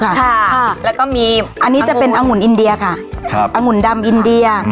ค่ะค่ะแล้วก็มีอันนี้จะเป็นองุ่นอินเดียค่ะครับองุ่นดำอินเดีย